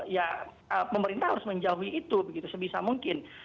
ya pemerintah harus menjauhi itu begitu sebisa mungkin